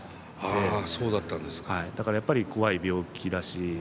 だから、やっぱり怖い病気だし。